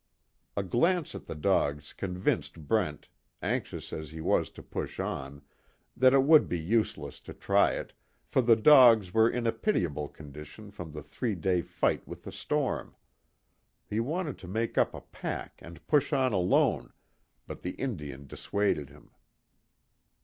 A glance at the dogs convinced Brent, anxious as he was to push on, that it would be useless to try it, for the dogs were in a pitiable condition from the three day fight with the storm. He wanted to make up a pack and push on alone, but the Indian dissuaded him.